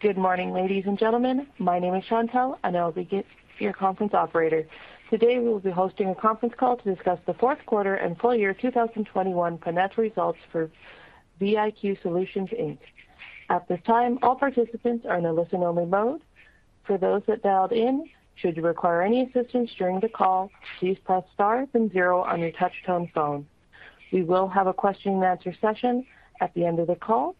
Good morning, ladies and gentlemen. My name is Chantelle, and I will be your conference operator. Today, we'll be hosting a conference call to discuss the Q4 and full year 2021 financial results for VIQ Solutions Inc. At this time, all participants are in a listen-only mode. For those that dialed in, should you require any assistance during the call, please press star then zero on your touch-tone phone. We will have a question-and-answer session at the end of the call,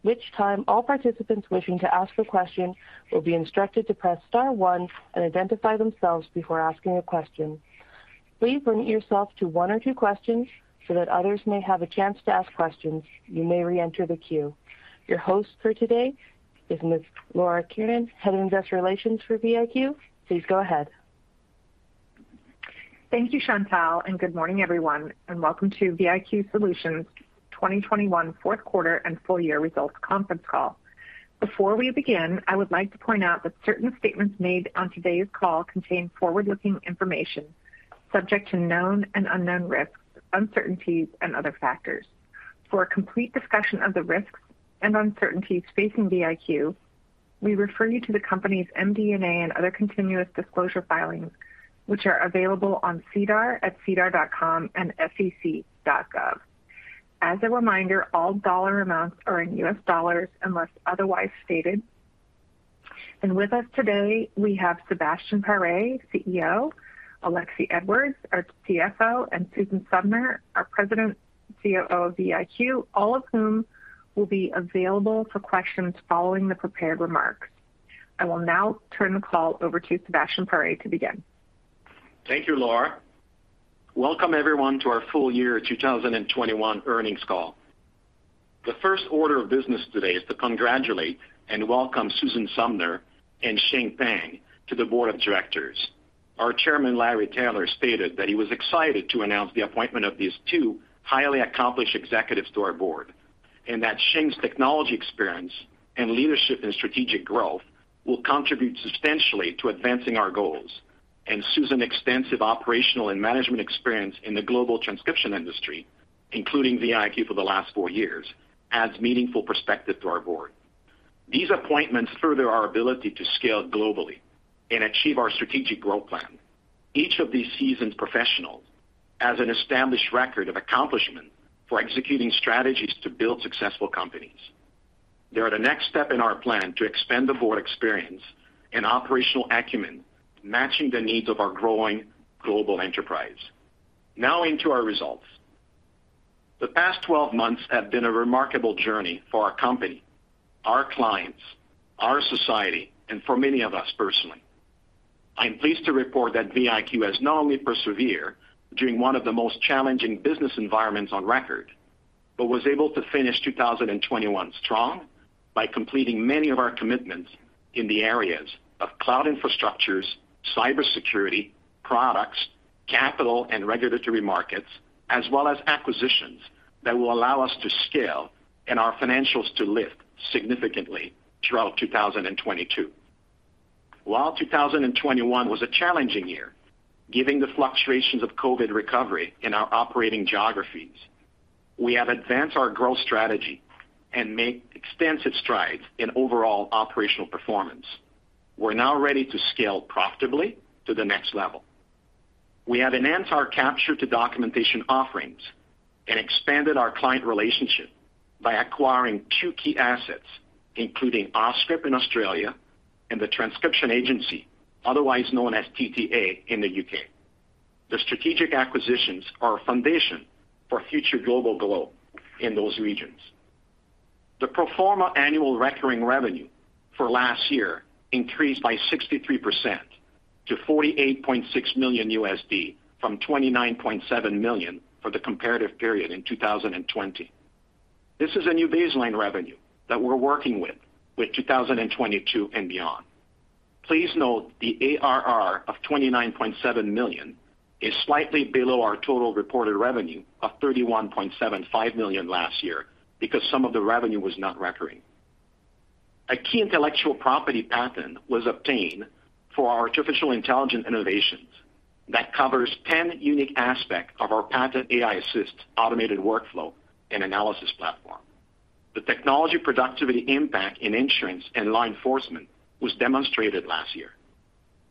at which time all participants wishing to ask a question will be instructed to press star one and identify themselves before asking a question. Please limit yourself to one or two questions so that others may have a chance to ask questions. You may re-enter the queue. Your host for today is Ms. Laura Kiernan, Head of Investor Relations for VIQ. Please go ahead. Thank you, Chantelle, and good morning, everyone, and welcome to VIQ Solutions' 2021 Q4 and full year results conference call. Before we begin, I would like to point out that certain statements made on today's call contain forward-looking information subject to known and unknown risks, uncertainties, and other factors. For a complete discussion of the risks and uncertainties facing VIQ, we refer you to the company's MD&A and other continuous disclosure filings, which are available on SEDAR at sedar.com and sec.gov. As a reminder, all dollar amounts are in U.S. dollars unless otherwise stated. With us today, we have Sebastien Pare, CEO; Alexie Edwards, our CFO; and Susan Sumner, our President, COO of VIQ, all of whom will be available for questions following the prepared remarks. I will now turn the call over to Sebastien Pare to begin. Thank you, Laura. Welcome everyone to our full year 2021 earnings call. The first order of business today is to congratulate and welcome Susan Sumner and Shing Pan to the Board of Directors. Our Chairman, Larry Taylor, stated that he was excited to announce the appointment of these two highly accomplished executives to our board, and that Shing's technology experience and leadership in strategic growth will contribute substantially to advancing our goals. Susan's extensive operational and management experience in the global transcription industry, including VIQ for the last four years, adds meaningful perspective to our board. These appointments further our ability to scale globally and achieve our strategic growth plan. Each of these seasoned professionals has an established record of accomplishment for executing strategies to build successful companies. They are the next step in our plan to expand the board experience and operational acumen, matching the needs of our growing global enterprise. Now into our results. The past 12 months have been a remarkable journey for our company, our clients, our society, and for many of us personally. I'm pleased to report that VIQ has not only persevered during one of the most challenging business environments on record, but was able to finish 2021 strong by completing many of our commitments in the areas of cloud infrastructures, cybersecurity, products, capital, and regulatory markets, as well as acquisitions that will allow us to scale and our financials to lift significantly throughout 2022. While 2021 was a challenging year, given the fluctuations of COVID recovery in our operating geographies, we have advanced our growth strategy and made extensive strides in overall operational performance. We're now ready to scale profitably to the next level. We have enhanced our capture-to-documentation offerings and expanded our client relationship by acquiring two key assets, including Auscript in Australia and The Transcription Agency, otherwise known as TTA, in the U.K. The strategic acquisitions are a foundation for future global growth in those regions. The pro forma annual recurring revenue for last year increased by 63% to $48.6 million from $29.7 million for the comparative period in 2020. This is a new baseline revenue that we're working with 2022 and beyond. Please note the ARR of 29.7 million is slightly below our total reported revenue of 31.75 million last year because some of the revenue was not recurring. A key intellectual property patent was obtained for our artificial intelligence innovations that covers 10 unique aspects of our patented aiAssist automated workflow and analysis platform. The technology productivity impact in insurance and law enforcement was demonstrated last year.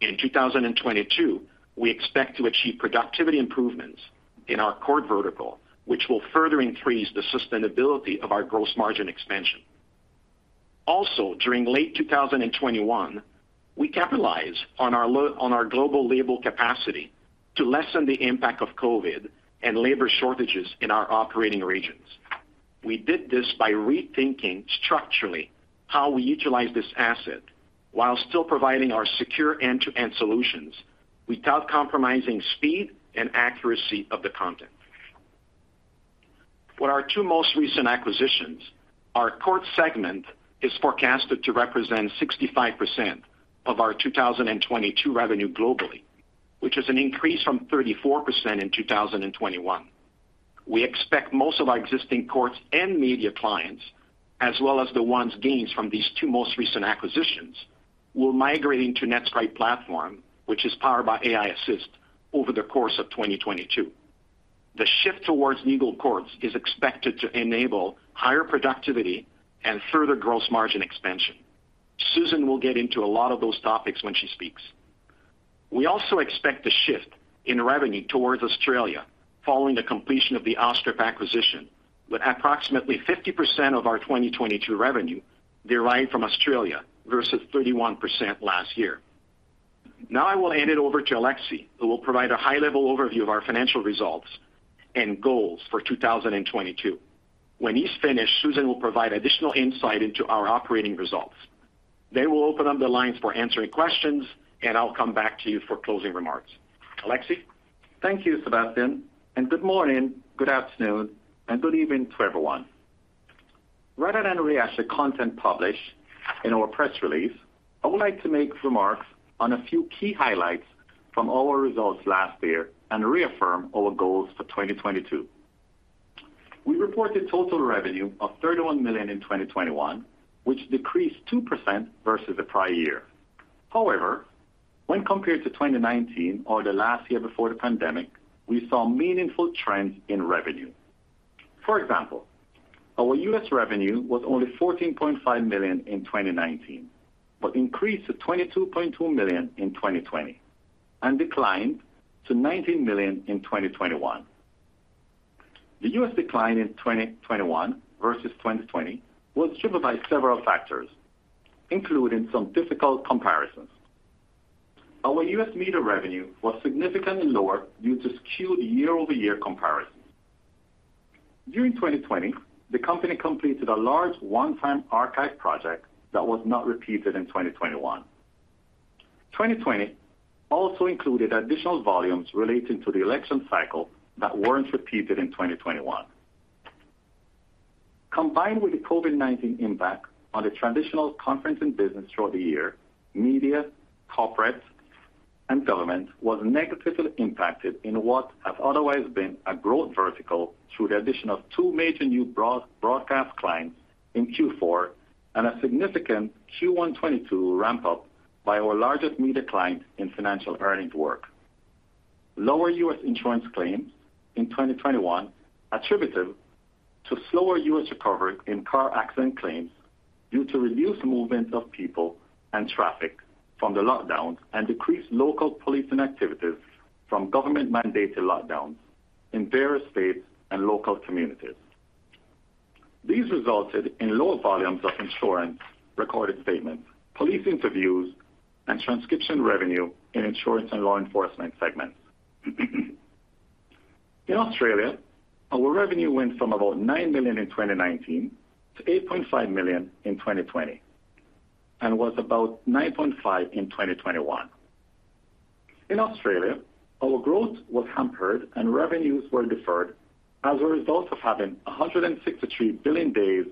In 2022, we expect to achieve productivity improvements in our court vertical, which will further increase the sustainability of our gross margin expansion. Also, during late 2021, we capitalized on our global labor capacity to lessen the impact of COVID and labor shortages in our operating regions. We did this by rethinking structurally how we utilize this asset while still providing our secure end-to-end solutions without compromising speed and accuracy of the content. With our two most recent acquisitions, our court segment is forecasted to represent 65% of our 2022 revenue globally, which is an increase from 34% in 2021. We expect most of our existing courts and media clients, as well as the ones gained from these two most recent acquisitions, will migrate into NetScribe platform, which is powered by aiAssist over the course of 2022. The shift towards legal courts is expected to enable higher productivity and further gross margin expansion. Susan will get into a lot of those topics when she speaks. We also expect a shift in revenue towards Australia following the completion of the Auscript acquisition, with approximately 50% of our 2022 revenue derived from Australia versus 31% last year. Now I will hand it over to Alexie, who will provide a high-level overview of our financial results and goals for 2022. When he's finished, Susan will provide additional insight into our operating results. They will open up the lines for answering questions, and I'll come back to you for closing remarks. Alexie? Thank you, Sebastien, and good morning, good afternoon, and good evening to everyone. Rather than rehash the content published in our press release, I would like to make remarks on a few key highlights from our results last year and reaffirm our goals for 2022. We reported total revenue of $31 million in 2021, which decreased 2% versus the prior year. However, when compared to 2019 or the last year before the pandemic, we saw meaningful trends in revenue. For example, our U.S. revenue was only $14.5 million in 2019 but increased to $22.2 million in 2020 and declined to $19 million in 2021. The U.S. decline in 2021 versus 2020 was driven by several factors, including some difficult comparisons. Our U.S. metered revenue was significantly lower due to skewed year-over-year comparisons. During 2020, the company completed a large one-time archive project that was not repeated in 2021. 2020 also included additional volumes relating to the election cycle that weren't repeated in 2021. Combined with the COVID-19 impact on the traditional conferencing business throughout the year, media, corporate, and government was negatively impacted in what has otherwise been a growth vertical through the addition of two major new broad-broadcast clients in Q4 and a significant Q1 2022 ramp up by our largest media client in financial earnings work. Lower U.S. insurance claims in 2021 attributed to slower U.S. recovery in car accident claims due to reduced movement of people and traffic from the lockdowns and decreased local policing activities from government-mandated lockdowns in various states and local communities. These resulted in lower volumes of insurance, recorded statements, police interviews, and transcription revenue in insurance and law enforcement segments. In Australia, our revenue went from about 9 million in 2019 to 8.5 million in 2020, and was about 9.5 million in 2021. In Australia, our growth was hampered, and revenues were deferred as a result of having 163 billing days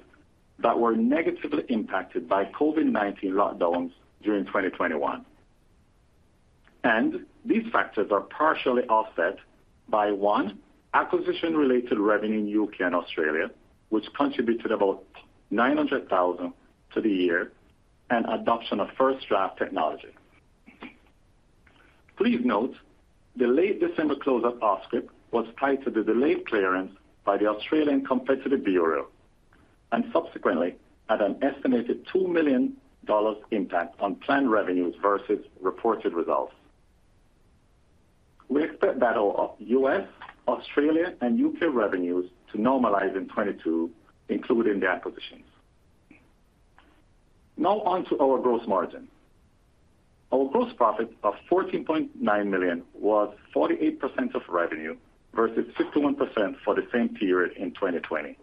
that were negatively impacted by COVID-19 lockdowns during 2021. These factors are partially offset by one, acquisition-related revenue in U.K. and Australia, which contributed about 900,000 to the year and adoption of FirstDraft technology. Please note the late December close of Auscript was tied to the delayed clearance by the Australian Competition and Consumer Commission and subsequently had an estimated $2 million impact on planned revenues versus reported results. We expect that all of U.S., Australia, and U.K. revenues to normalize in 2022, including the acquisitions. Now on to our gross margin. Our gross profit of 14.9 million was 48% of revenue versus 51% for the same period in 2020.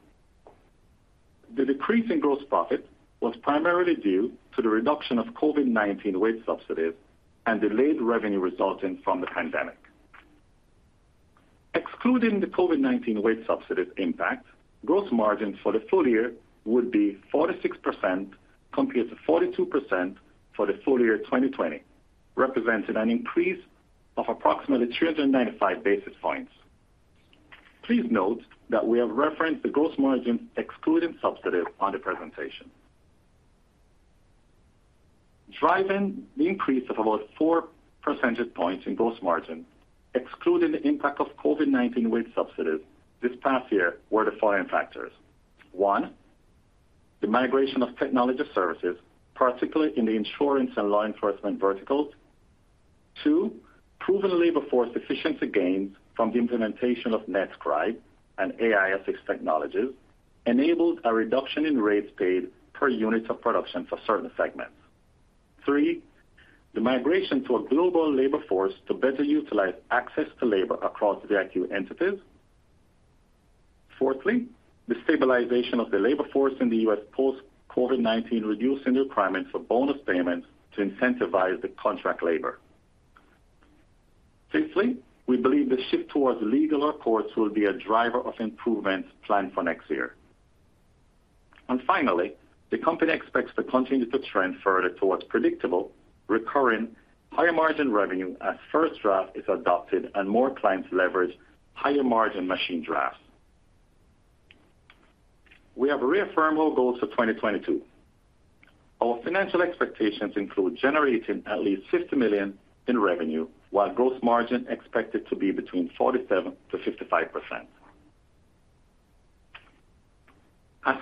The decrease in gross profit was primarily due to the reduction of COVID-19 wage subsidies and delayed revenue resulting from the pandemic. Excluding the COVID-19 wage subsidies impact, gross margin for the full year would be 46% compared to 42% for the full year 2020, representing an increase of approximately 395 basis points. Please note that we have referenced the gross margin excluding subsidies on the presentation. Driving the increase of about 4 percentage points in gross margin, excluding the impact of COVID-19 wage subsidies this past year, were the following factors. One, the migration of technology services, particularly in the insurance and law enforcement verticals. Two, proven labor force efficiency gains from the implementation of NetScribe and aiAssist technologies enabled a reduction in rates paid per unit of production for certain segments. Three, the migration to a global labor force to better utilize access to labor across the VIQ entities. Fourthly, the stabilization of the labor force in the U.S. post-COVID-19, reducing the requirement for bonus payments to incentivize the contract labor. Fifthly, we believe the shift towards legal reports will be a driver of improvements planned for next year. Finally, the company expects to continue to trend further towards predictable, recurring, higher-margin revenue as FirstDraft is adopted and more clients leverage higher-margin machine drafts. We have reaffirmed our goals for 2022. Our financial expectations include generating at least 50 million in revenue, while gross margin expected to be between 47%-55%.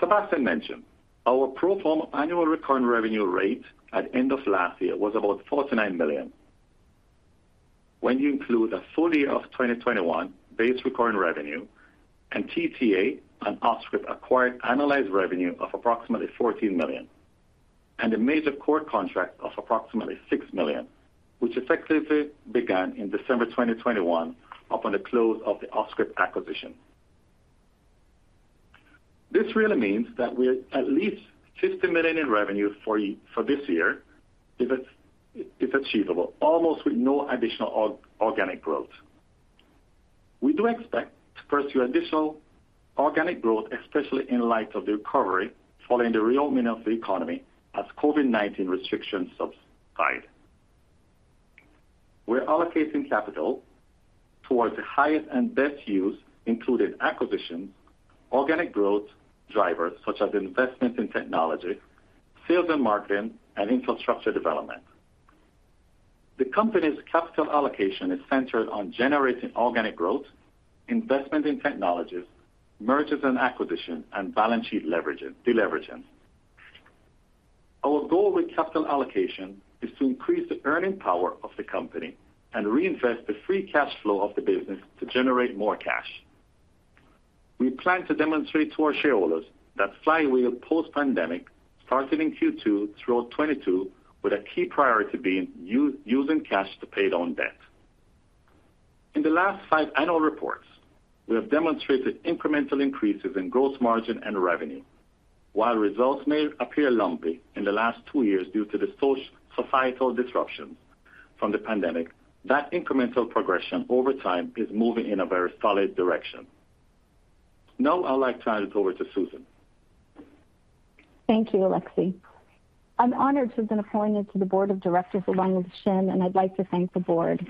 Sebastien mentioned, our pro forma annual recurring revenue rate at end of last year was about 49 million. When you include a full year of 2021 base recurring revenue and TTA and Auscript acquired annualized revenue of approximately 14 million, and a major court contract of approximately 6 million, which effectively began in December 2021 upon the close of the Auscript acquisition. This really means that we're at least 50 million in revenue for this year is achievable, almost with no additional organic growth. We do expect to pursue additional organic growth, especially in light of the recovery following the reopening of the economy as COVID-19 restrictions subside. We're allocating capital towards the highest and best use, including acquisitions, organic growth drivers such as investment in technology, sales and marketing, and infrastructure development. The company's capital allocation is centered on generating organic growth, investment in technologies, mergers and acquisition and balance sheet leveraging, deleveraging. Our goal with capital allocation is to increase the earning power of the company and reinvest the free cash flow of the business to generate more cash. We plan to demonstrate to our shareholders that Flywheel post-pandemic, starting in Q2 throughout 2022, with a key priority being using cash to pay down debt. In the last five annual reports, we have demonstrated incremental increases in gross margin and revenue. While results may appear lumpy in the last two years due to the societal disruptions from the pandemic, that incremental progression over time is moving in a very solid direction. Now I would like to turn it over to Susan. Thank you, Alexie. I'm honored to have been appointed to the board of directors along with Shing, and I'd like to thank the board.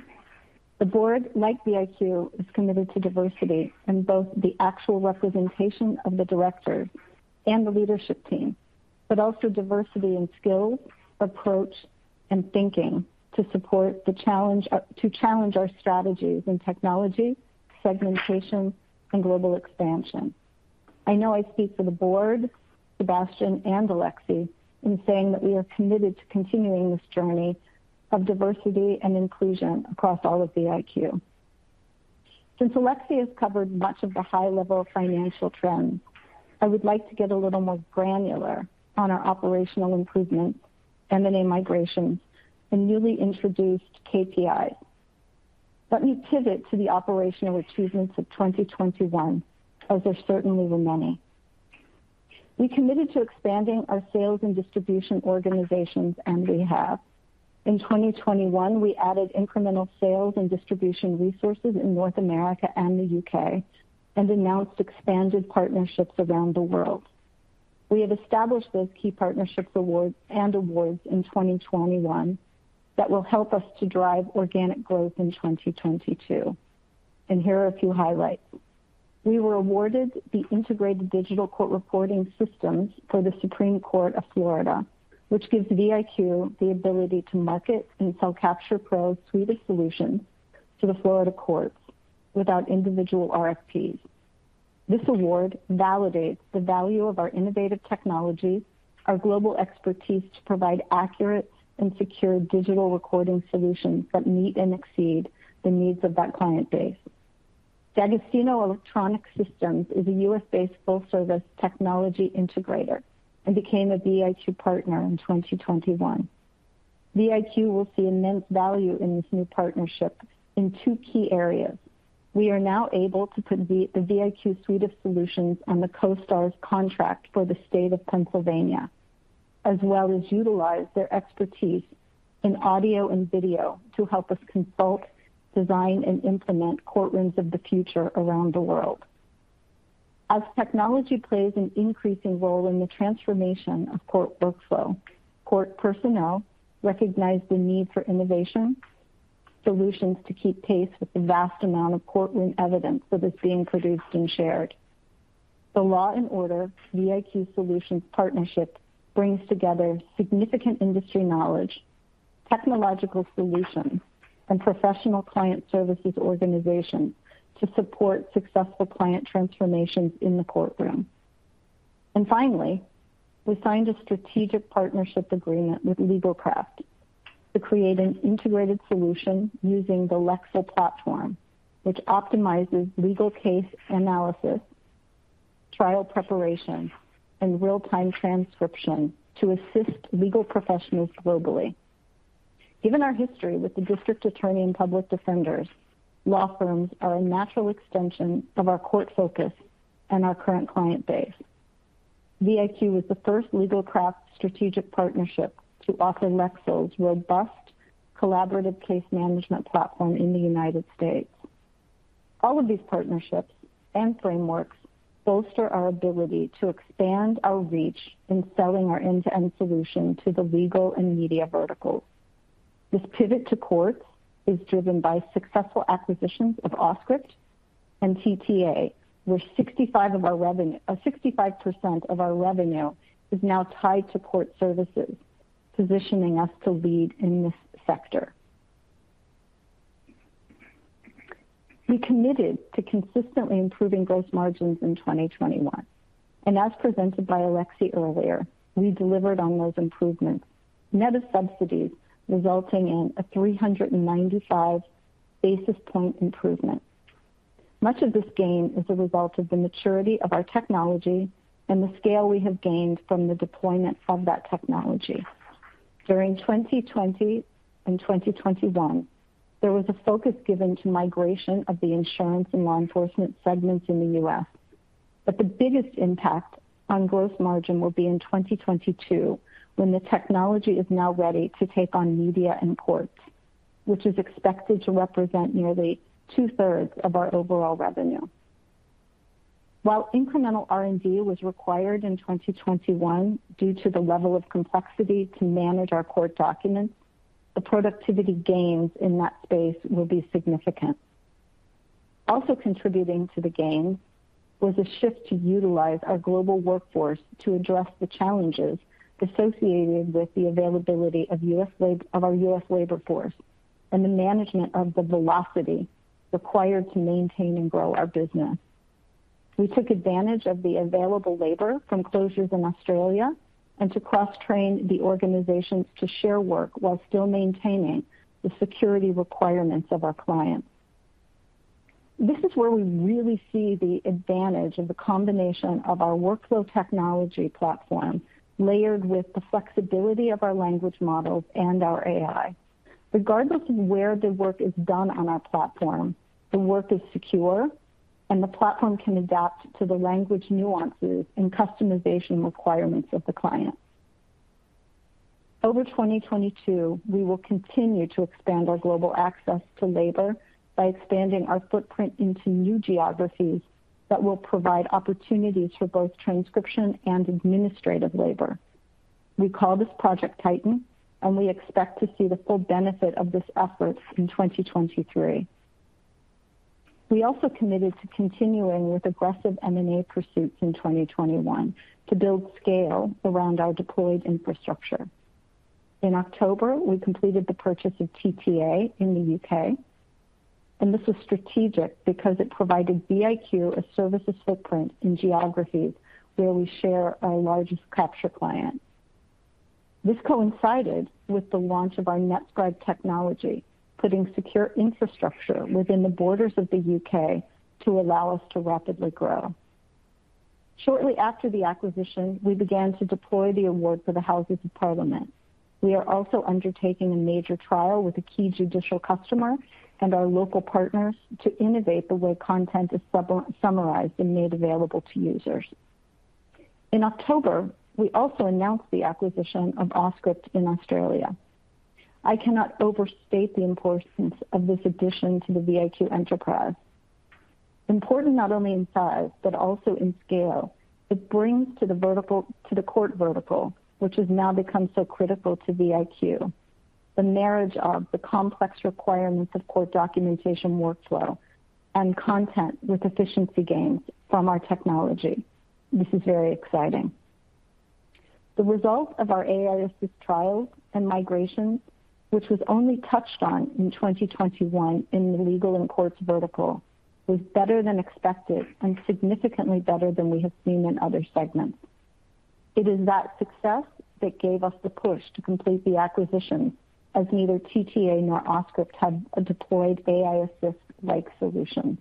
The board, like VIQ, is committed to diversity in both the actual representation of the directors and the leadership team, but also diversity in skills, approach, and thinking to challenge our strategies in technology, segmentation, and global expansion. I know I speak for the board, Sebastien, and Alexie in saying that we are committed to continuing this journey of diversity and inclusion across all of VIQ. Since Alexie has covered much of the high-level financial trends, I would like to get a little more granular on our operational improvements, M&A migrations, and newly introduced KPIs. Let me pivot to the operational achievements of 2021, as there certainly were many. We committed to expanding our sales and distribution organizations, and we have. In 2021, we added incremental sales and distribution resources in North America and the U.K. and announced expanded partnerships around the world. We have established those key partnerships and awards in 2021 that will help us to drive organic growth in 2022. Here are a few highlights. We were awarded the integrated digital court reporting systems for the Supreme Court of Florida, which gives VIQ the ability to market and sell CapturePro's suite of solutions to the Florida courts without individual RFPs. This award validates the value of our innovative technologies, our global expertise to provide accurate and secure digital recording solutions that meet and exceed the needs of that client base. Dagostino Electronic Services, Inc. is a U.S.-based full-service technology integrator and became a VIQ partner in 2021. VIQ will see immense value in this new partnership in two key areas. We are now able to put the VIQ suite of solutions on the COSTARS contract for the state of Pennsylvania, as well as utilize their expertise in audio and video to help us consult, design, and implement courtrooms of the future around the world. As technology plays an increasing role in the transformation of court workflow, court personnel recognize the need for innovative solutions to keep pace with the vast amount of courtroom evidence that is being produced and shared. The Law and Order, VIQ Solutions partnership brings together significant industry knowledge, technological solutions, and professional client services organizations to support successful client transformations in the courtroom. Finally, we signed a strategic partnership agreement with LegalCraft to create an integrated solution using the Lexel platform, which optimizes legal case analysis, trial preparation, and real-time transcription to assist legal professionals globally. Given our history with the district attorney and public defenders, law firms are a natural extension of our court focus and our current client base. VIQ was the first LegalCraft strategic partnership to offer Lexel's robust collaborative case management platform in the United States. All of these partnerships and frameworks bolster our ability to expand our reach in selling our end-to-end solution to the legal and media verticals. This pivot to courts is driven by successful acquisitions of Auscript and TTA, where 65% of our revenue is now tied to court services, positioning us to lead in this sector. We committed to consistently improving gross margins in 2021. As presented by Alexie earlier, we delivered on those improvements. Net of subsidies resulting in a 395 basis point improvement. Much of this gain is a result of the maturity of our technology and the scale we have gained from the deployment of that technology. During 2020 and 2021, there was a focus given to migration of the insurance and law enforcement segments in the U.S. The biggest impact on gross margin will be in 2022 when the technology is now ready to take on media and courts, which is expected to represent nearly two-thirds of our overall revenue. While incremental R&D was required in 2021 due to the level of complexity to manage our court documents, the productivity gains in that space will be significant. Contributing to the gain was a shift to utilize our global workforce to address the challenges associated with the availability of our U.S. labor force and the management of the velocity required to maintain and grow our business. We took advantage of the available labor from closures in Australia and to cross-train the organizations to share work while still maintaining the security requirements of our clients. This is where we really see the advantage of the combination of our workflow technology platform, layered with the flexibility of our language models and our AI. Regardless of where the work is done on our platform, the work is secure and the platform can adapt to the language nuances and customization requirements of the clients. Over 2022, we will continue to expand our global access to labor by expanding our footprint into new geographies that will provide opportunities for both transcription and administrative labor. We call this Project Titan, and we expect to see the full benefit of this effort in 2023. We also committed to continuing with aggressive M&A pursuits in 2021 to build scale around our deployed infrastructure. In October, we completed the purchase of TTA in the U.K., and this was strategic because it provided VIQ a services footprint in geographies where we share our largest capture client. This coincided with the launch of our NetScribe technology, putting secure infrastructure within the borders of the U.K. to allow us to rapidly grow. Shortly after the acquisition, we began to deploy the award for the Houses of Parliament. We are also undertaking a major trial with a key judicial customer and our local partners to innovate the way content is summarized and made available to users. In October, we also announced the acquisition of Auscript in Australia. I cannot overstate the importance of this addition to the VIQ enterprise. Important not only in size, but also in scale. It brings to the court vertical, which has now become so critical to VIQ, the marriage of the complex requirements of court documentation workflow and content with efficiency gains from our technology. This is very exciting. The result of our aiAssist trials and migrations, which was only touched on in 2021 in the legal and courts vertical, was better than expected and significantly better than we have seen in other segments. It is that success that gave us the push to complete the acquisition, as neither TTA nor Auscript had a deployed aiAssist-like solution.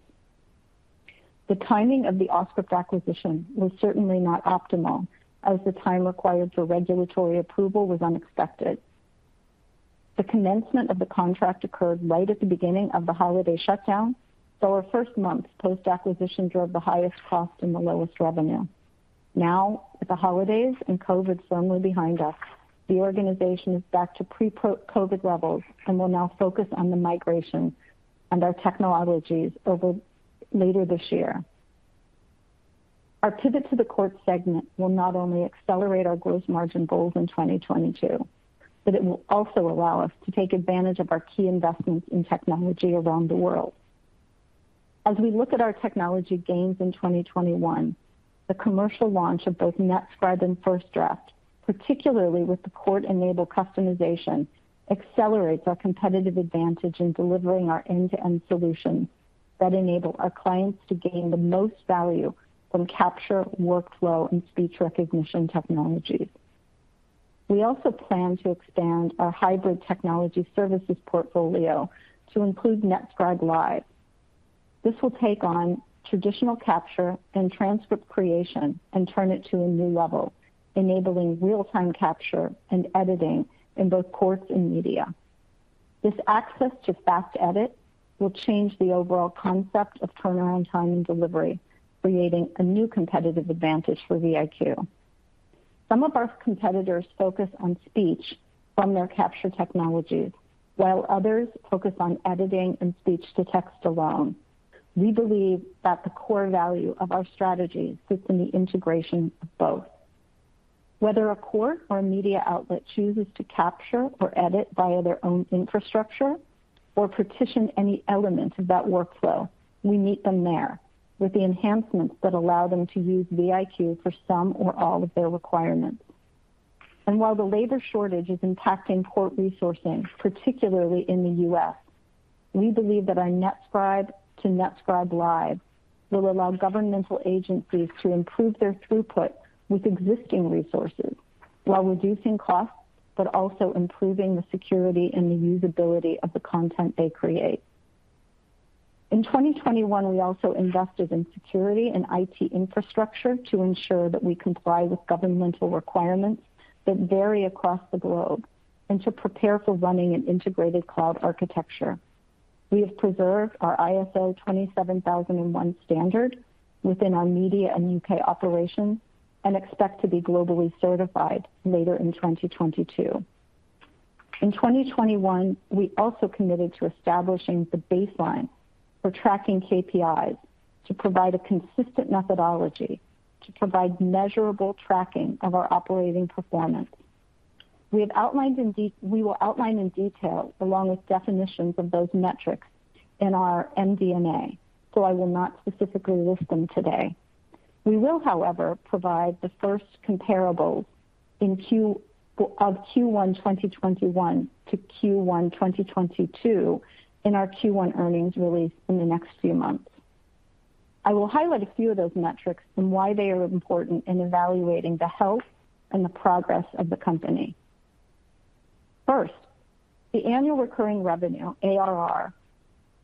The timing of the Auscript acquisition was certainly not optimal, as the time required for regulatory approval was unexpected. The commencement of the contract occurred right at the beginning of the holiday shutdown, so our first months post-acquisition drove the highest cost and the lowest revenue. Now, with the holidays and COVID firmly behind us, the organization is back to pre-COVID levels and will now focus on the migration and our technologies over later this year. Our pivot to the court segment will not only accelerate our gross margin goals in 2022, but it will also allow us to take advantage of our key investments in technology around the world. As we look at our technology gains in 2021, the commercial launch of both NetScribe and FirstDraft, particularly with the court-enabled customization, accelerates our competitive advantage in delivering our end-to-end solutions that enable our clients to gain the most value from capture, workflow and speech recognition technologies. We also plan to expand our hybrid technology services portfolio to include NetScribe Live. This will take on traditional capture and transcript creation and turn it to a new level, enabling real-time capture and editing in both courts and media. This access to fast edit will change the overall concept of turnaround time and delivery, creating a new competitive advantage for VIQ. Some of our competitors focus on speech from their capture technologies, while others focus on editing and speech-to-text alone. We believe that the core value of our strategy sits in the integration of both. Whether a court or a media outlet chooses to capture or edit via their own infrastructure or partition any elements of that workflow, we meet them there with the enhancements that allow them to use VIQ for some or all of their requirements. While the labor shortage is impacting court resourcing, particularly in the U.S., we believe that our NetScribe to NetScribe Live will allow governmental agencies to improve their throughput with existing resources while reducing costs, but also improving the security and the usability of the content they create. In 2021, we also invested in security and IT infrastructure to ensure that we comply with governmental requirements that vary across the globe and to prepare for running an integrated cloud architecture. We have preserved our ISO 27001 standard within our media and U.K. operations and expect to be globally certified later in 2022. In 2021, we also committed to establishing the baseline for tracking KPIs to provide a consistent methodology to provide measurable tracking of our operating performance. We will outline in detail along with definitions of those metrics in our MD&A, so I will not specifically list them today. We will, however, provide the first comparables in Q1 2021 to Q1 2022 in our Q1 earnings release in the next few months. I will highlight a few of those metrics and why they are important in evaluating the health and the progress of the company. First, the annual recurring revenue, ARR.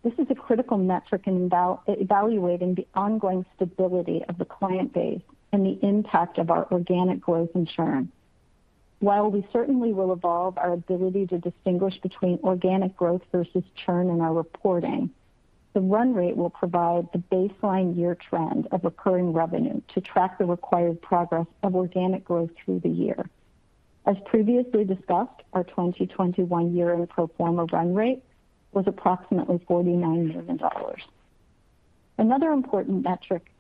This is a critical metric in evaluating the ongoing stability of the client base and the impact of our organic growth and churn. While we certainly will evolve our ability to distinguish between organic growth versus churn in our reporting, the run rate will provide the baseline year trend of recurring revenue to track the required progress of organic growth through the year. As previously discussed, our 2021 year-end pro forma run rate was approximately $49 million. Another important metric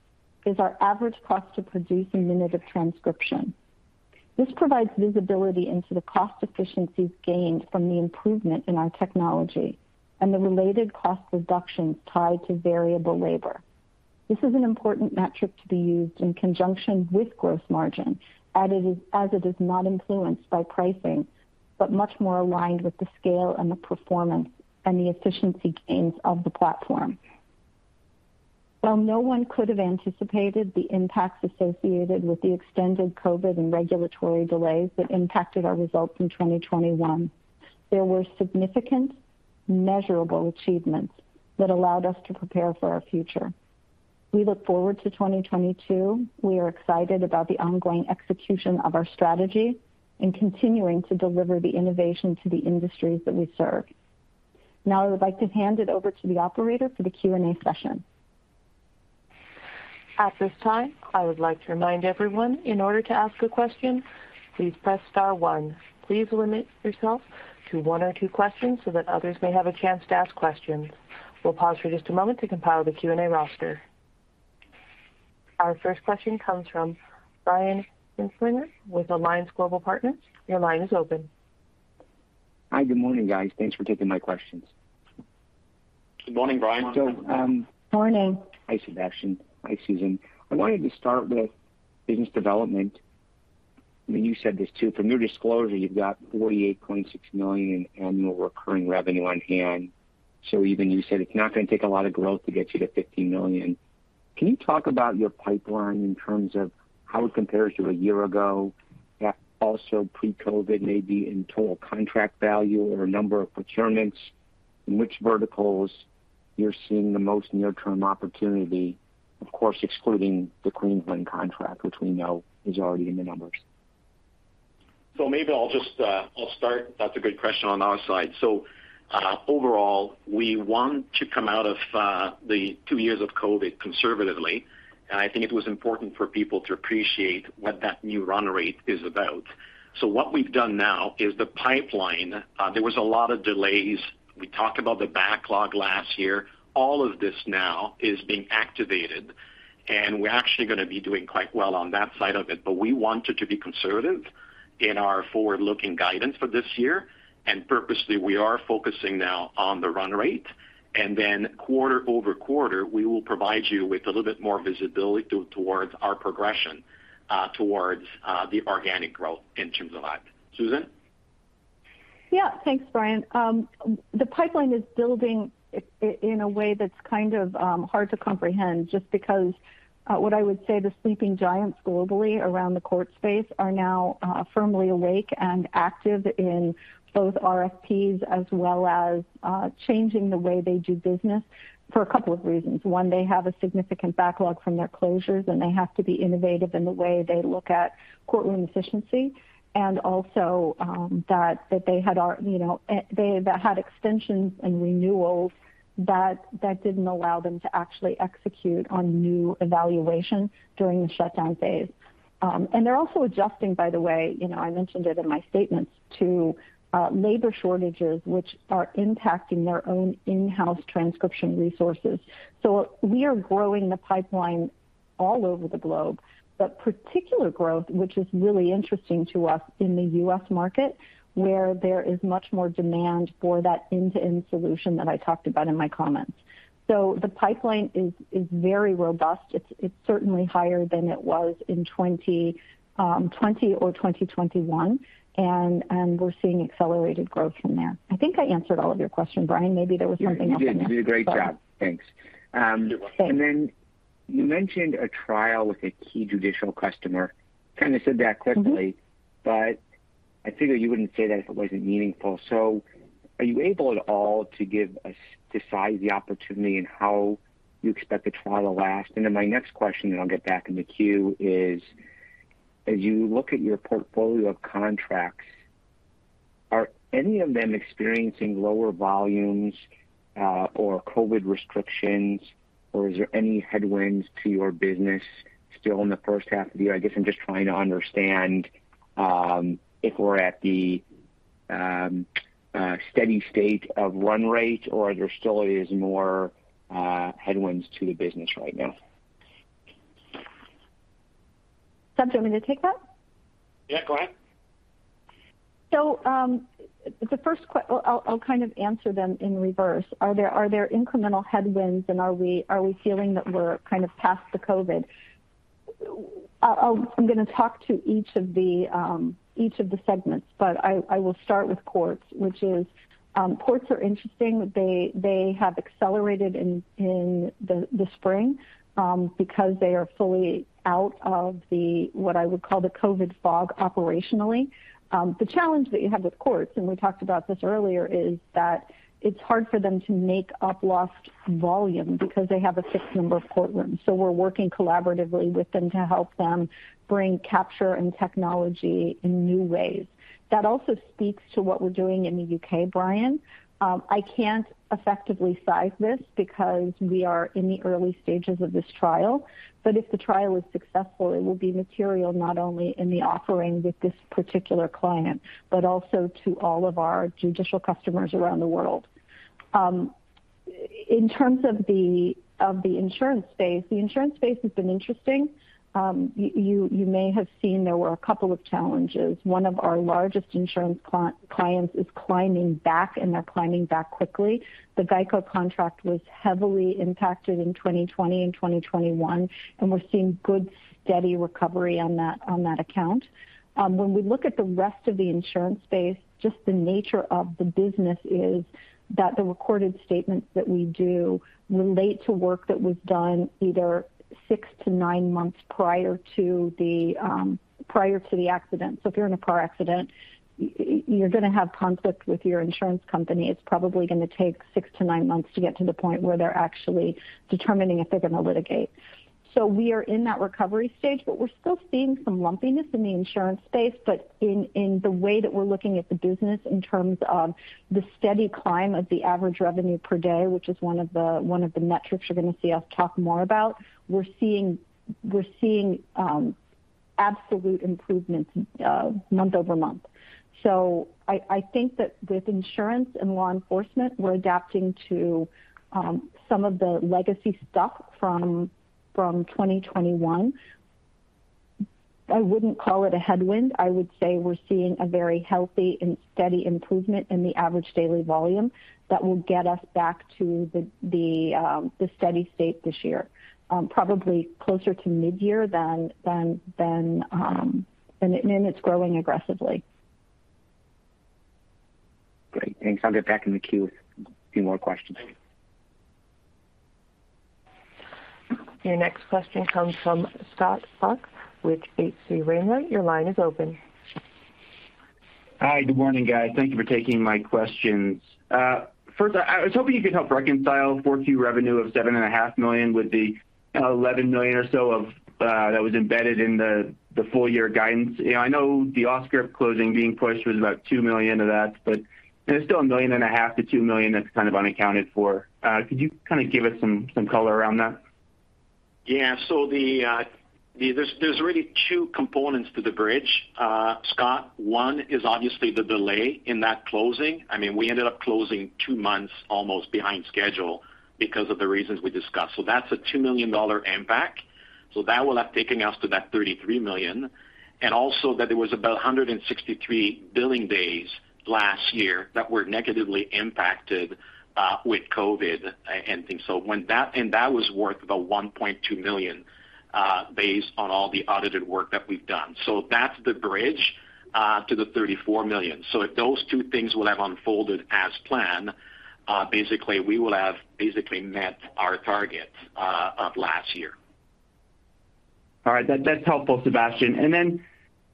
is our average cost to produce a minute of transcription. This provides visibility into the cost efficiencies gained from the improvement in our technology and the related cost reductions tied to variable labor. This is an important metric to be used in conjunction with gross margin as it is not influenced by pricing, but much more aligned with the scale and the performance and the efficiency gains of the platform. While no one could have anticipated the impacts associated with the extended COVID and regulatory delays that impacted our results in 2021, there were significant measurable achievements that allowed us to prepare for our future. We look forward to 2022. We are excited about the ongoing execution of our strategy and continuing to deliver the innovation to the industries that we serve. Now I would like to hand it over to the operator for the Q&A session. At this time, I would like to remind everyone in order to ask a question, please press star one. Please limit yourself to one or two questions so that others may have a chance to ask questions. We'll pause for just a moment to compile the Q&A roster. Our first question comes from Brian Kinstlinger with Alliance Global Partners. Your line is open. Hi, good morning, guys. Thanks for taking my questions. Good morning, Brian. Morning. Hi, Sebastien. Hi, Susan. I wanted to start with business development. I mean, you said this too. From your disclosure, you've got 48.6 million in annual recurring revenue on hand. Even you said it's not gonna take a lot of growth to get you to 50 million. Can you talk about your pipeline in terms of how it compares to a year ago, also pre-COVID-19 maybe in total contract value or number of procurements? In which verticals you're seeing the most near-term opportunity, of course, excluding the Queensland contract, which we know is already in the numbers. Maybe I'll just start. That's a great question on our side. Overall, we want to come out of the two years of COVID conservatively, and I think it was important for people to appreciate what that new run rate is about. What we've done now is the pipeline, there was a lot of delays. We talked about the backlog last year. All of this now is being activated, and we're actually gonna be doing quite well on that side of it. But we wanted to be conservative in our forward-looking guidance for this year. Purposely, we are focusing now on the run rate. Then quarter-over-quarter, we will provide you with a little bit more visibility towards our progression towards the organic growth in terms of that. Susan? Yeah. Thanks, Brian. The pipeline is building in a way that's kind of hard to comprehend just because what I would say the sleeping giants globally around the court space are now firmly awake and active in both RFPs as well as changing the way they do business for a couple of reasons. One, they have a significant backlog from their closures, and they have to be innovative in the way they look at courtroom efficiency. Also, that they had, you know, they had extensions and renewals that didn't allow them to actually execute on new evaluations during the shutdown phase. They're also adjusting, by the way, you know, I mentioned it in my statements, to labor shortages, which are impacting their own in-house transcription resources. We are growing the pipeline all over the globe, but particular growth, which is really interesting to us in the U.S. market, where there is much more demand for that end-to-end solution that I talked about in my comments. The pipeline is very robust. It's certainly higher than it was in 2020 or 2021, and we're seeing accelerated growth from there. I think I answered all of your questions, Brian. Maybe there was something else in there. You did a great job. Thanks. You're welcome. Then you mentioned a trial with a key judicial customer. Kind of said that quickly, but I figure you wouldn't say that if it wasn't meaningful. Are you able at all to give us the opportunity and how you expect the trial to last? My next question, and I'll get back in the queue, is as you look at your portfolio of contracts, are any of them experiencing lower volumes, or COVID restrictions, or is there any headwinds to your business still in the first half of the year? I guess I'm just trying to understand if we're at the steady state of run rate or there still is more headwinds to the business right now. Seb, do you want me to take that? Yeah, go ahead. I'll kind of answer them in reverse. Are there incremental headwinds and are we feeling that we're kind of past the COVID? I'm gonna talk to each of the segments, but I will start with courts are interesting. They have accelerated in the spring because they are fully out of the what I would call the COVID fog operationally. The challenge that you have with courts, and we talked about this earlier, is that it's hard for them to make up lost volume because they have a fixed number of courtrooms. We're working collaboratively with them to help them bring capture and technology in new ways. That also speaks to what we're doing in the U.K., Brian. I can't effectively size this because we are in the early stages of this trial. If the trial is successful, it will be material not only in the offering with this particular client, but also to all of our judicial customers around the world. In terms of the insurance space, the insurance space has been interesting. You may have seen there were a couple of challenges. One of our largest insurance clients is climbing back, and they're climbing back quickly. The GEICO contract was heavily impacted in 2020 and 2021, and we're seeing good, steady recovery on that account. When we look at the rest of the insurance space, just the nature of the business is that the recorded statements that we do relate to work that was done either 6-9 months prior to the accident. If you're in a car accident, you're gonna have conflict with your insurance company. It's probably gonna take 6-9 months to get to the point where they're actually determining if they're gonna litigate. We are in that recovery stage, but we're still seeing some lumpiness in the insurance space. In the way that we're looking at the business in terms of the steady climb of the average revenue per day, which is one of the metrics you're gonna see us talk more about, we're seeing absolute improvements month-over-month. I think that with insurance and law enforcement, we're adapting to some of the legacy stuff from 2021. I wouldn't call it a headwind. I would say we're seeing a very healthy and steady improvement in the average daily volume that will get us back to the steady state this year, probably closer to mid-year than and it's growing aggressively. Great. Thanks. I'll get back in the queue with a few more questions. Your next question comes from Scott Buck with H.C. Wainwright. Your line is open. Hi, good morning, guys. Thank you for taking my questions. First, I was hoping you could help reconcile Q4 revenue of $7.5 million with the $11 million or so that was embedded in the full year guidance. You know, I know the Auscript closing being pushed was about $2 million of that, but there's still $1.5 million-$2 million that's kind of unaccounted for. Could you kind of give us some color around that? Yeah. There's really two components to the bridge, Scott. One is obviously the delay in that closing. I mean, we ended up closing two months almost behind schedule because of the reasons we discussed. That's a $2 million impact. That will have taken us to that $33 million. And also that there was about 163 billing days last year that were negatively impacted with COVID and things. And that was worth about $1.2 million, based on all the audited work that we've done. That's the bridge to the $34 million. If those two things will have unfolded as planned, basically we will have met our targets of last year. All right. That's helpful, Sebastien.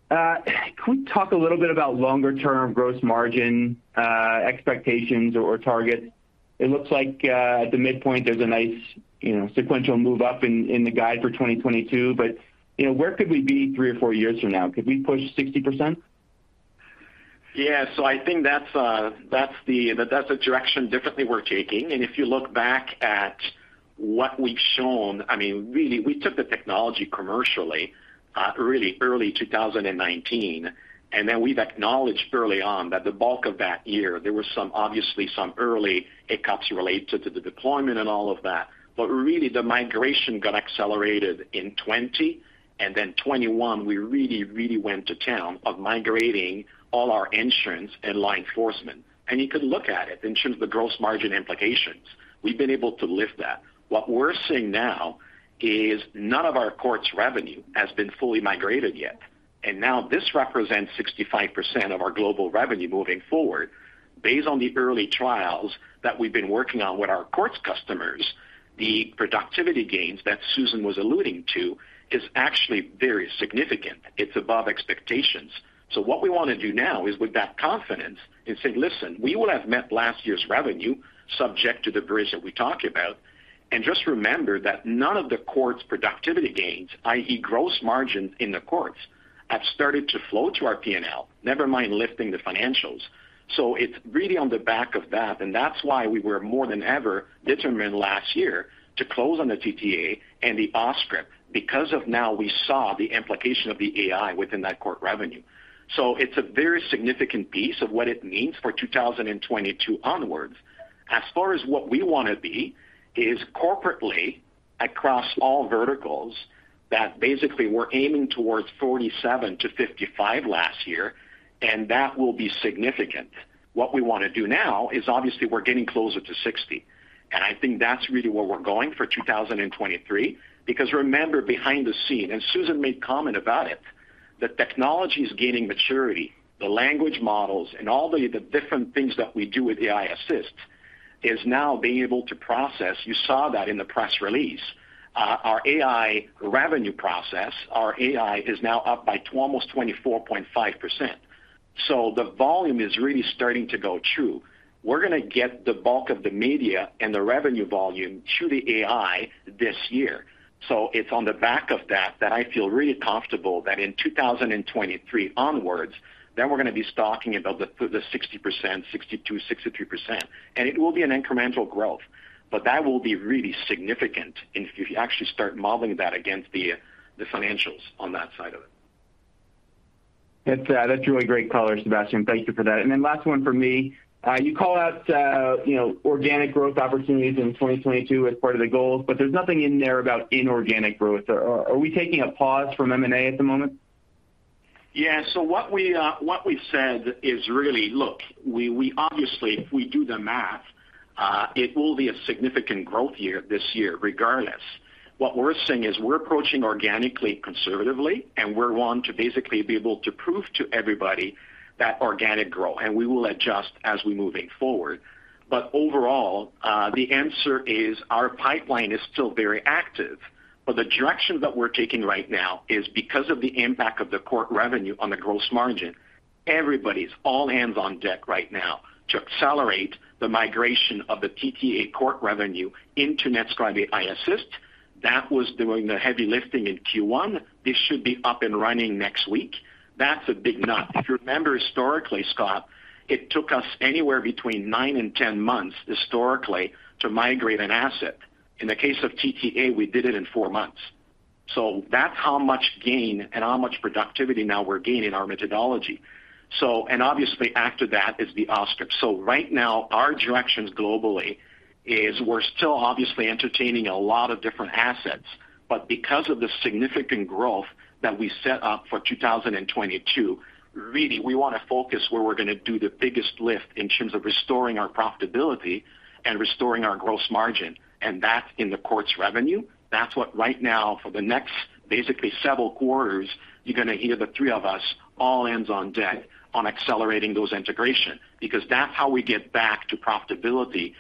Could we talk a little bit about longer term gross margin expectations or targets? It looks like, at the midpoint, there's a nice, you know, sequential move up in the guide for 2022, but, you know, where could we be three or four years from now? Could we push 60%? Yeah. I think that's the direction definitely we're taking. If you look back at what we've shown, I mean, really, we took the technology commercially really early 2019, and then we've acknowledged early on that the bulk of that year there was some obviously early hiccups related to the deployment and all of that. Really the migration got accelerated in 2020 and then 2021 we really, really went to town of migrating all our insurance and law enforcement. You can look at it in terms of the gross margin implications. We've been able to lift that. What we're seeing now is none of our courts revenue has been fully migrated yet, and now this represents 65% of our global revenue moving forward. Based on the early trials that we've been working on with our courts customers, the productivity gains that Susan was alluding to is actually very significant. It's above expectations. What we wanna do now is with that confidence and say, "Listen, we would have met last year's revenue subject to the variance that we talked about." Just remember that none of the courts productivity gains, i.e., gross margin in the courts, have started to flow to our P&L. Never mind lifting the financials. It's really on the back of that, and that's why we were more than ever determined last year to close on the TTA and the Auscript because now we saw the implication of the AI within that court revenue. It's a very significant piece of what it means for 2022 onwards. As far as what we wanna be is corporately across all verticals that basically we're aiming towards 47-55 last year, and that will be significant. What we wanna do now is obviously we're getting closer to 60, and I think that's really where we're going for 2023. Because remember behind the scenes, and Susan made comment about it, the technology is gaining maturity. The language models and all the different things that we do with aiAssist is now being able to process. You saw that in the press release. Our AI revenue process, our AI is now up by almost 24.5%. So the volume is really starting to go through. We're gonna get the bulk of the media and the revenue volume through the AI this year. It's on the back of that that I feel really comfortable that in 2023 onwards, we're gonna be talking about the 60%, 62, 63%. It will be an incremental growth, but that will be really significant if you actually start modeling that against the financials on that side of it. That's really great color, Sebastien. Thank you for that. Then last one from me. You call out, you know, organic growth opportunities in 2022 as part of the goals, but there's nothing in there about inorganic growth. Are we taking a pause from M&A at the moment? Yeah. What we said is really look, we obviously, if we do the math, it will be a significant growth year this year regardless. What we're seeing is we're approaching organically, conservatively, and we want to basically be able to prove to everybody that organic growth and we will adjust as we're moving forward. Overall, the answer is our pipeline is still very active, but the direction that we're taking right now is because of the impact of the court revenue on the gross margin, everybody's all hands on deck right now to accelerate the migration of the TTA court revenue into NetScribe aiAssist. That was doing the heavy lifting in Q1. This should be up and running next week. That's a big nut. If you remember historically, Scott, it took us anywhere between 9 and 10 months historically to migrate an asset. In the case of TTA, we did it in 4 months. That's how much gain and how much productivity now we're gaining our methodology. Obviously after that is the Auscript. Right now our directions globally is we're still obviously entertaining a lot of different assets, but because of the significant growth that we set up for 2022, really we wanna focus where we're gonna do the biggest lift in terms of restoring our profitability and restoring our gross margin. That's in the court's revenue. That's what right now for the next basically several quarters, you're gonna hear the three of us all hands on deck on accelerating those integration, because that's how we get back to profitability,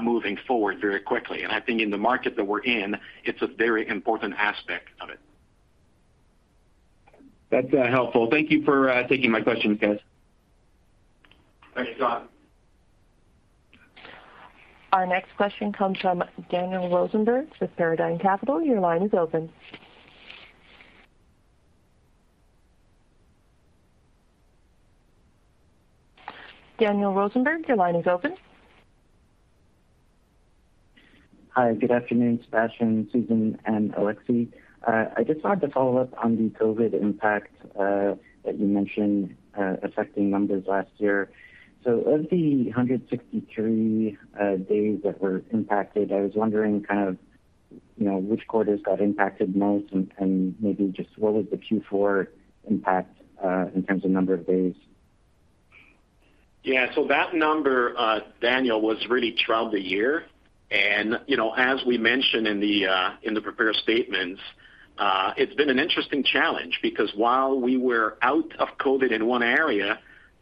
moving forward very quickly. I think in the market that we're in, it's a very important aspect of it. That's helpful. Thank you for taking my questions, guys. Thanks, Scott. Our next question comes from Daniel Rosenberg with Paradigm Capital. Your line is open. Daniel Rosenberg, your line is open. Hi, good afternoon, Sebastien, Susan, and Alexie. I just wanted to follow up on the COVID impact that you mentioned affecting numbers last year. Of the 163 days that were impacted, I was wondering kind of, you know, which quarters got impacted most and maybe just what was the Q4 impact in terms of number of days? Yeah. That number, Daniel, was really throughout the year. You know, as we mentioned in the prepared statements, it's been an interesting challenge because while we were out of COVID in one area,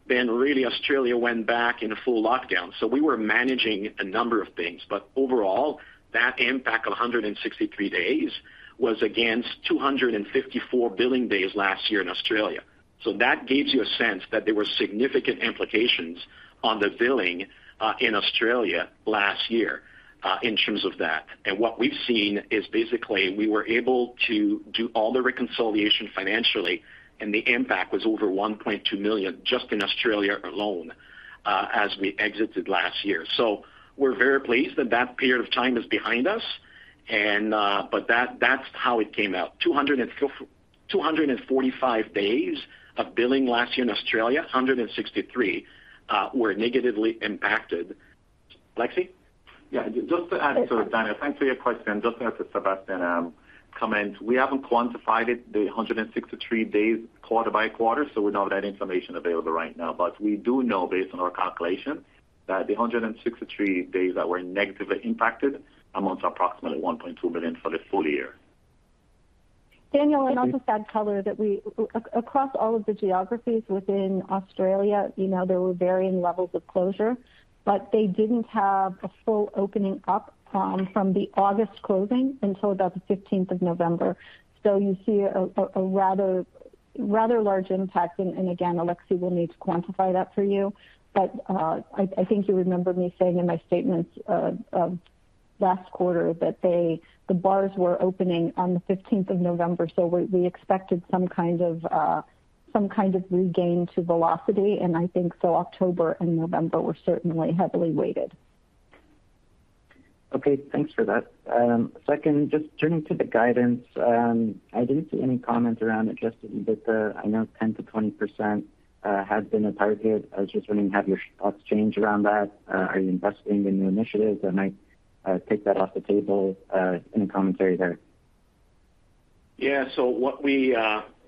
then really Australia went back in a full lockdown. We were managing a number of things. Overall, that impact of 163 days was against 254 billing days last year in Australia. That gives you a sense that there were significant implications on the billing in Australia last year in terms of that. What we've seen is basically we were able to do all the reconciliation financially, and the impact was over 1.2 million just in Australia alone as we exited last year. We're very pleased that that period of time is behind us and, but that's how it came out. 245 days of billing last year in Australia, 163 were negatively impacted. Alexie? Yeah. Just to add to it, Daniel, thanks for your question. Just to add to Sebastien's comment. We haven't quantified it, the 163 days quarter by quarter, so we don't have that information available right now. We do know based on our calculation that the 163 days that were negatively impacted amounts to approximately 1.2 million for the full year. Daniel, I'll just add color that across all of the geographies within Australia, you know, there were varying levels of closure, but they didn't have a full opening up from the August closing until about the fifteenth of November. You see a rather large impact and again, Alexie will need to quantify that for you. I think you remember me saying in my statements last quarter that the bars were opening on the fifteenth of November, so we expected some kind of regain to velocity and I think so October and November were certainly heavily weighted. Okay. Thanks for that. Second, just turning to the guidance, I didn't see any comments around adjusted EBITDA. I know 10%-20% has been the target. I was just wondering, have your thoughts changed around that? Are you investing in new initiatives that might take that off the table? Any commentary there? Yeah.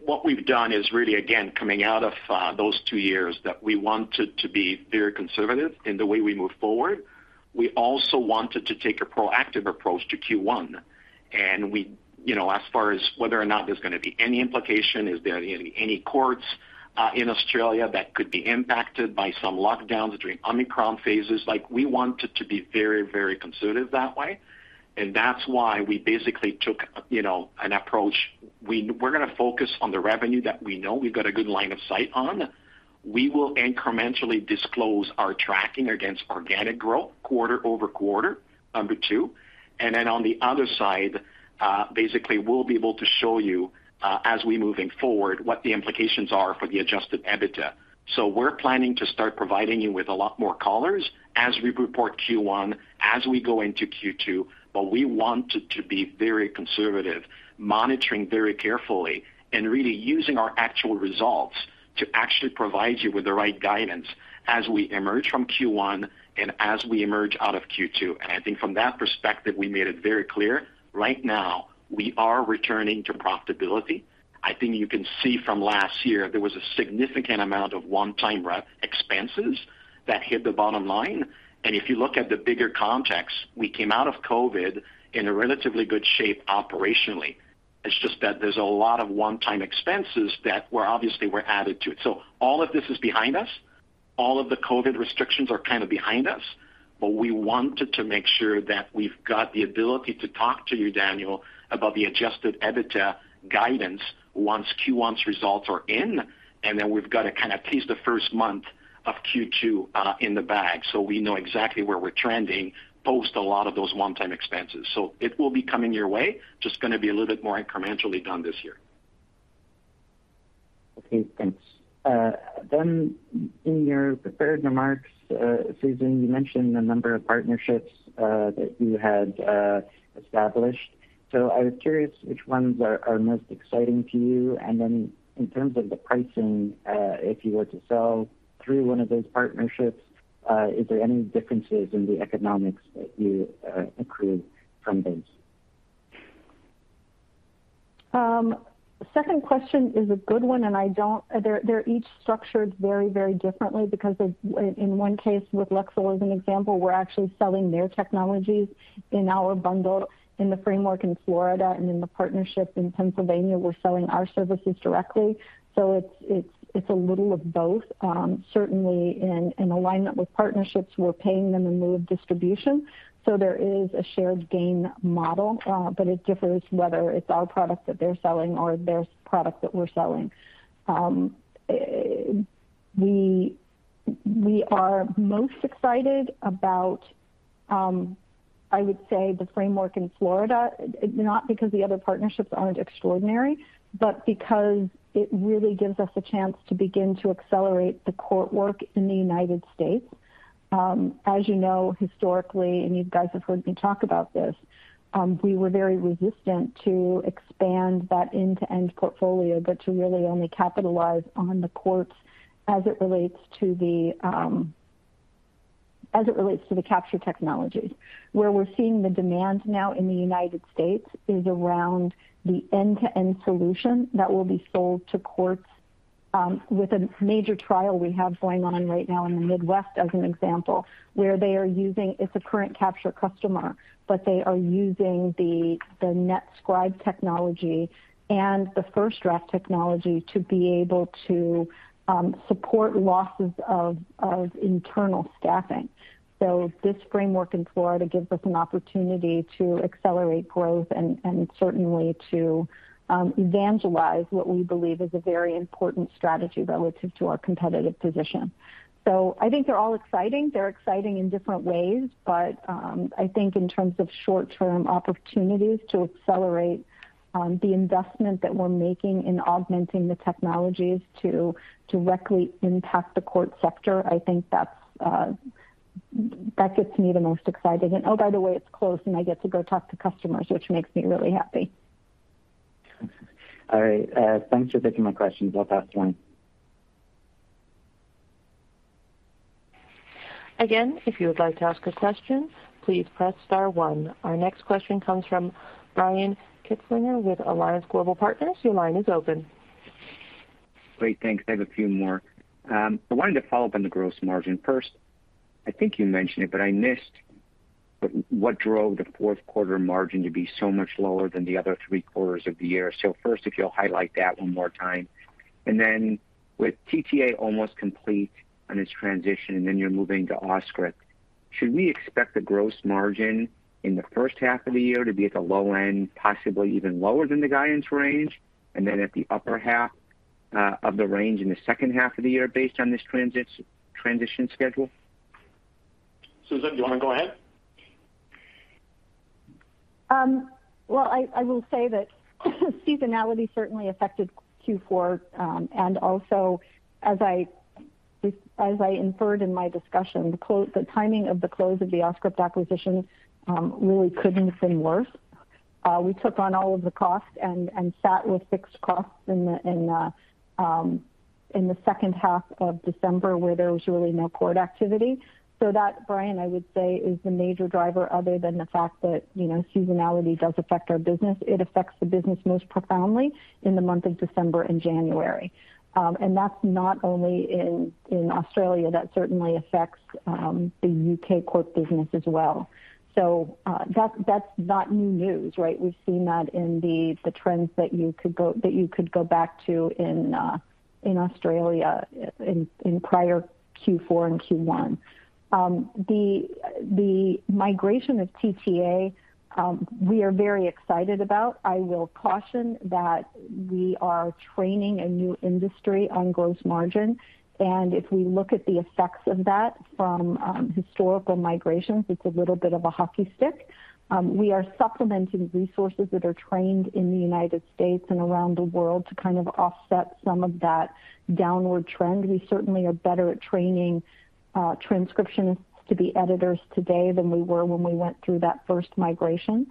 What we've done is really, again, coming out of those two years that we wanted to be very conservative in the way we move forward. We also wanted to take a proactive approach to Q1. You know, as far as whether or not there's gonna be any implication, is there any courts in Australia that could be impacted by some lockdowns during Omicron phases. Like, we wanted to be very, very conservative that way, and that's why we basically took, you know, an approach. We're gonna focus on the revenue that we know we've got a good line of sight on. We will incrementally disclose our tracking against organic growth quarter-over-quarter, number two. On the other side, basically we'll be able to show you, as we're moving forward, what the implications are for the adjusted EBITDA. We're planning to start providing you with a lot more colors as we report Q1, as we go into Q2, but we wanted to be very conservative, monitoring very carefully and really using our actual results to actually provide you with the right guidance as we emerge from Q1 and as we emerge out of Q2. I think from that perspective, we made it very clear. Right now we are returning to profitability. I think you can see from last year there was a significant amount of one-time rep expenses that hit the bottom line. If you look at the bigger context, we came out of COVID in a relatively good shape operationally. It's just that there's a lot of one-time expenses that were obviously added to it. All of this is behind us. All of the COVID restrictions are kind of behind us, but we wanted to make sure that we've got the ability to talk to you, Daniel, about the adjusted EBITDA guidance once Q1's results are in, and then we've got to kind of tease the first month of Q2 in the bag so we know exactly where we're trending post a lot of those one-time expenses. It will be coming your way, just gonna be a little bit more incrementally done this year. Okay, thanks. In your prepared remarks, Susan, you mentioned a number of partnerships that you had established. I was curious which ones are most exciting to you? In terms of the pricing, if you were to sell through one of those partnerships, is there any differences in the economics that you accrue from those? Second question is a good one. They're each structured very, very differently because in one case, with Lexel as an example, we're actually selling their technologies in our bundle in the framework in Florida and in the partnership in Pennsylvania, we're selling our services directly. It's a little of both. Certainly in alignment with partnerships, we're paying them a revenue distribution. There is a shared gain model, but it differs whether it's our product that they're selling or their product that we're selling. We are most excited about, I would say the framework in Florida, not because the other partnerships aren't extraordinary, but because it really gives us a chance to begin to accelerate the court work in the United States. As you know, historically, and you guys have heard me talk about this, we were very resistant to expand that end-to-end portfolio, but to really only capitalize on the courts as it relates to the capture technologies. Where we're seeing the demand now in the United States is around the end-to-end solution that will be sold to courts. With a major trial we have going on right now in the Midwest as an example, where they are using—it's a current Capture customer, but they are using the NetScribe technology and the FirstDraft technology to be able to support losses of internal staffing. This framework in Florida gives us an opportunity to accelerate growth and certainly to evangelize what we believe is a very important strategy relative to our competitive position. I think they're all exciting. They're exciting in different ways, but, I think in terms of short-term opportunities to accelerate, the investment that we're making in augmenting the technologies to directly impact the court sector, I think that's, that gets me the most excited. Oh, by the way, it's close and I get to go talk to customers, which makes me really happy. All right. Thanks for taking my questions. I'll pass the line. Again, if you would like to ask a question, please press star one. Our next question comes from Brian Kinstlinger with Alliance Global Partners. Your line is open. Great. Thanks. I have a few more. I wanted to follow up on the gross margin. First, I think you mentioned it, but I missed what drove the Q4 margin to be so much lower than the other three quarters of the year. First, if you'll highlight that one more time. With TTA almost complete on its transition, and then you're moving to Auscript, should we expect the gross margin in the first half of the year to be at the low end, possibly even lower than the guidance range? At the upper half of the range in the second half of the year based on this transition schedule? Susan, do you wanna go ahead? Well, I will say that seasonality certainly affected Q4, and also, as I inferred in my discussion, the timing of the close of the Auscript acquisition really couldn't have been worse. We took on all of the costs and sat with fixed costs in the second half of December where there was really no court activity. That, Brian, I would say is the major driver other than the fact that, you know, seasonality does affect our business. It affects the business most profoundly in the month of December and January. That's not only in Australia. That certainly affects the U.K. court business as well. That's not new news, right? We've seen that in the trends that you could go back to in Australia in prior Q4 and Q1. The migration of TTA we are very excited about. I will caution that we are training a new industry on gross margin, and if we look at the effects of that from historical migrations, it's a little bit of a hockey stick. We are supplementing resources that are trained in the United States and around the world to kind of offset some of that downward trend. We certainly are better at training transcriptionists to be editors today than we were when we went through that first migration.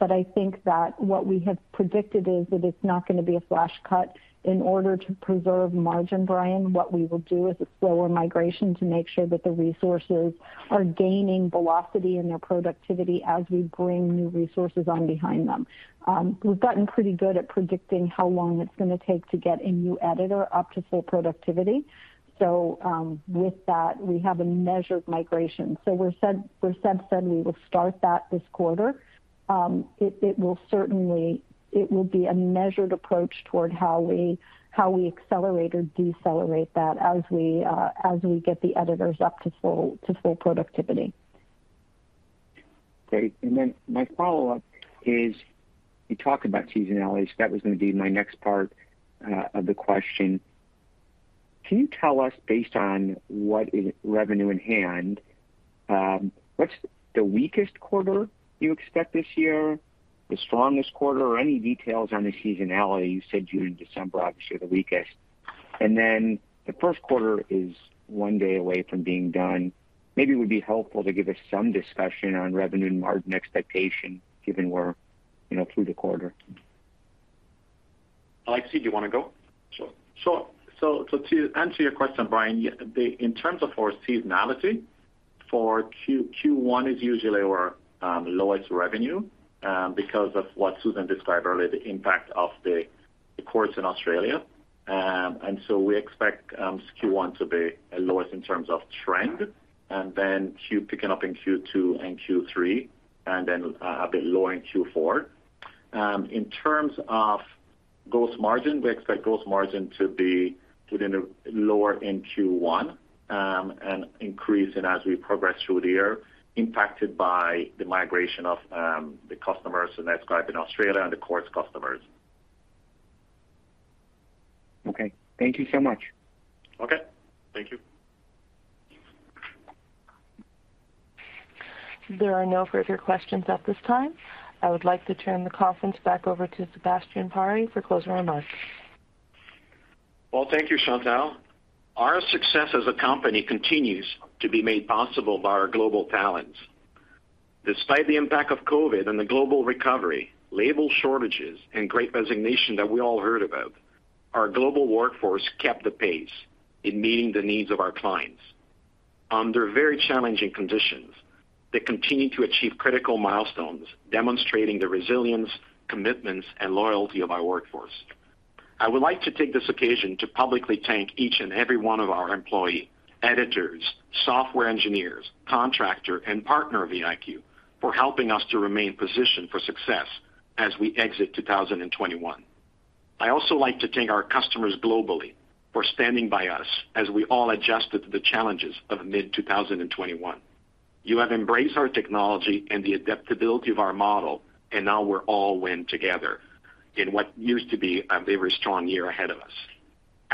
I think that what we have predicted is that it's not gonna be a flash cut. In order to preserve margin, Brian, what we will do is a slower migration to make sure that the resources are gaining velocity in their productivity as we bring new resources on behind them. We've gotten pretty good at predicting how long it's gonna take to get a new editor up to full productivity. With that, we have a measured migration. We said we will start that this quarter. It will be a measured approach toward how we accelerate or decelerate that as we get the editors up to full productivity. Great. Then my follow-up is you talked about seasonality. That was gonna be my next part of the question. Can you tell us, based on what is revenue in hand, what's the weakest quarter you expect this year, the strongest quarter, or any details on the seasonality? You said June and December obviously are the weakest. The Q1 is one day away from being done. Maybe it would be helpful to give us some discussion on revenue and margin expectation given we're, you know, through the quarter. Alexie, do you wanna go? Sure. To answer your question, Brian, in terms of our seasonality for Q1 is usually our lowest revenue because of what Susan described earlier, the impact of the courts in Australia. We expect Q1 to be lowest in terms of trend, and then picking up in Q2 and Q3, and then a bit lower in Q4. In terms of gross margin, we expect gross margin to be within a lower in Q1 and increasing as we progress through the year, impacted by the migration of the customers in NetScribe in Australia and the courts customers. Okay. Thank you so much. Okay. Thank you. There are no further questions at this time. I would like to turn the conference back over to Sebastien Pare for closing remarks. Well, thank you, Chantelle. Our success as a company continues to be made possible by our global talents. Despite the impact of COVID-19 and the global recovery, labor shortages and Great Resignation that we all heard about, our global workforce kept the pace in meeting the needs of our clients. Under very challenging conditions, they continue to achieve critical milestones, demonstrating the resilience, commitments, and loyalty of our workforce. I would like to take this occasion to publicly thank each and every one of our employee, editors, software engineers, contractor, and partner of VIQ for helping us to remain positioned for success as we exit 2021. I also like to thank our customers globally for standing by us as we all adjusted to the challenges of mid-2021. You have embraced our technology and the adaptability of our model, and now we're all winning together in what used to be a very strong year ahead of us.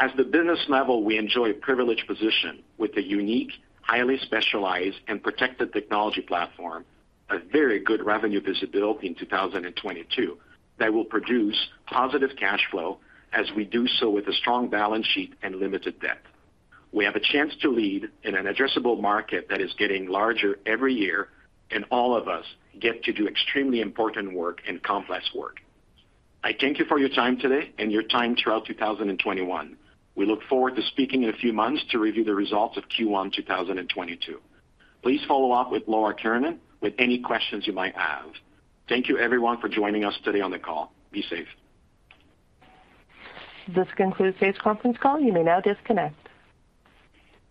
At the business level, we enjoy a privileged position with a unique, highly specialized and protected technology platform, a very good revenue visibility in 2022 that will produce positive cash flow as we do so with a strong balance sheet and limited debt. We have a chance to lead in an addressable market that is getting larger every year, and all of us get to do extremely important work and complex work. I thank you for your time today and your time throughout 2021. We look forward to speaking in a few months to review the results of Q1 2022. Please follow up with Laura Kiernan with any questions you might have. Thank you everyone for joining us today on the call. Be safe. This concludes today's conference call. You may now disconnect.